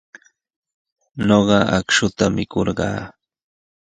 Ñuqa akshuta mikurqaa.